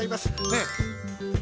ねえ。